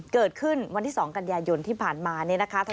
เกิดขึ้นวันที่๒กันยายนที่ผ่านมาเนี่ยนะคะ